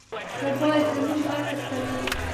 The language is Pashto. موبایل زموږ غږ ثبتوي.